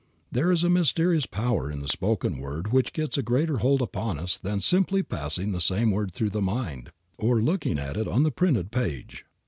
There is a mysterious power in the spoken word which gets a greater hold upon us than simply passing the same word through the mind or looking at it on the printed page.